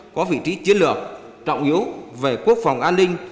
có vị trí chiến lược trọng yếu về quốc phòng an ninh